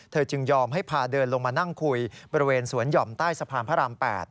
จึงยอมให้พาเดินลงมานั่งคุยบริเวณสวนห่อมใต้สะพานพระราม๘